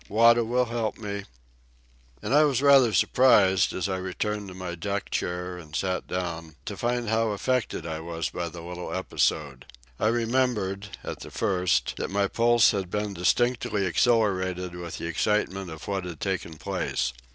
Wada will help me." And I was rather surprised, as I returned to my deck chair and sat down, to find how affected I was by the little episode. I remembered, at the first, that my pulse had been distinctly accelerated with the excitement of what had taken place.